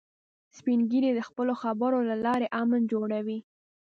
سپین ږیری د خپلو خبرو له لارې امن جوړوي